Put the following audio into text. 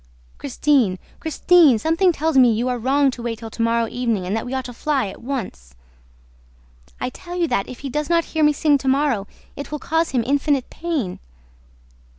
"Christine! Christine! Something tells me that we are wrong to wait till to morrow evening and that we ought to fly at once." "I tell you that, if he does not hear me sing tomorrow, it will cause him infinite pain."